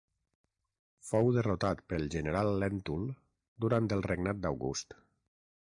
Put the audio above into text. Fou derrotat pel general Lèntul durant el regnat d'August.